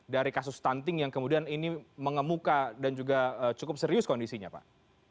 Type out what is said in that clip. dari kasus stunting yang kemudian ini mengemuka dan juga cukup serius kondisinya pak